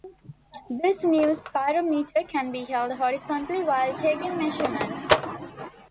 This new spirometer can be held horizontally while taking measurements.